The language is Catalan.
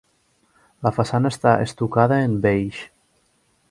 La façana està estucada en beix.